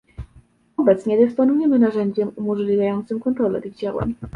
Obecnie dysponujemy narzędziem umożliwiającym kontrolę tych działań